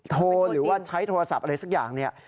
หรือว่าใช้โทรศัพท์อะไรสักอย่างเนี่ย